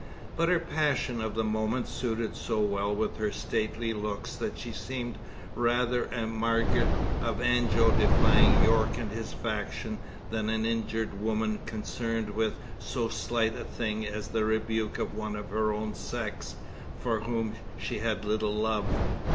But her passion of the moment suited so well with her stately looks that she seemed rather a Margaret of Anjou defying York and his faction than an injured woman concerned with so slight a thing as the rebuke of one of her own sex for whom she had little love.